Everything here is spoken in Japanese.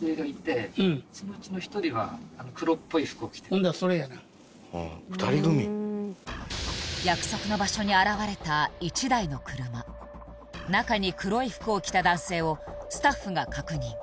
ほんならそれやな約束の場所に現れた一台の車中に黒い服を着た男性をスタッフが確認